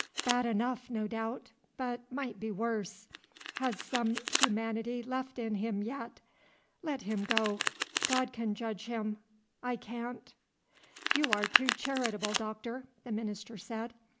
Bad enough, no doubt, but might be worse. Has some humanity left in him yet. Let him go. God can judge him, I can't." "You are too charitable, Doctor," the minister said.